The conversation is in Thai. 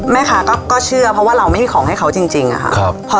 แม่ค้าก็เชื่อเพราะว่าเราไม่มีของให้เขาจริงอะค่ะ